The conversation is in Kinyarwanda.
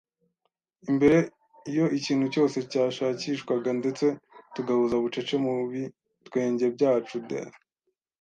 imbere iyo ikintu cyose cyashakishwaga, ndetse tugahuza bucece mubitwenge byacu - the